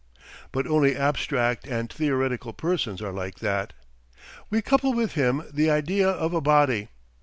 But only abstract and theoretical persons are like that. We couple with him the idea of a body.